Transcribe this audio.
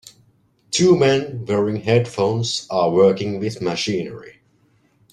Two men wearing headphones are working with machinery